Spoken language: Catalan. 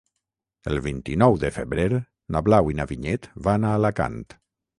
El vint-i-nou de febrer na Blau i na Vinyet van a Alacant.